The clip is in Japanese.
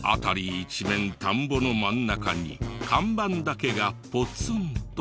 一面田んぼの真ん中に看板だけがポツンと。